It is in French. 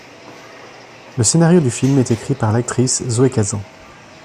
Le scénario du film est écrit par l'actrice Zoe Kazan.